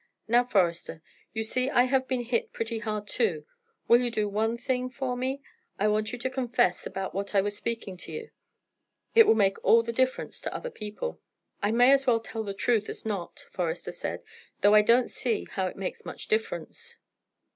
Now, Forester, you see I have been hit pretty hard, too; will you do one thing for me? I want you to confess about what I was speaking to you: it will make all the difference to other people." "I may as well tell the truth as not," Forester said; "though I don't see how it makes much difference."